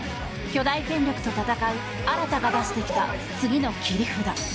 巨大権力と闘う新が出してきた次の切り札。